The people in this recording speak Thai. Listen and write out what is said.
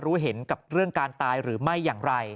รู้เห็นกับเรื่องการตายหรือไม่อย่างไร